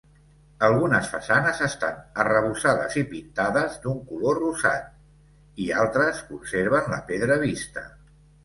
Algunes façanes estan arrebossades i pintades d'un color rosat, i altres conserven la pedra vista.